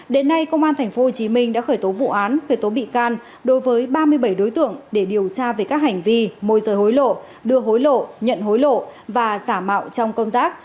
đến nay công an tp hcm đã khởi tố vụ án khởi tố bị can đối với ba mươi bảy đối tượng để điều tra về các hành vi môi rời hối lộ đưa hối lộ nhận hối lộ và giả mạo trong công tác